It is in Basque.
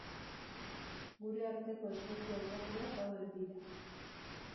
Gure arteko espezie hautatuak hauek dira.